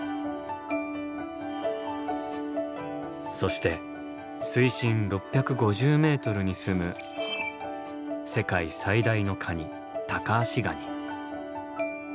そして水深６５０ｍにすむ世界最大のカニタカアシガニ。